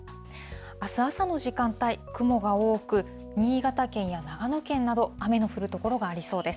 あす朝の時間帯、雲が多く、新潟県や長野県など、雨の降る所がありそうです。